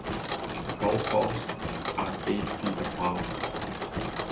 Goal posts are eight feet apart.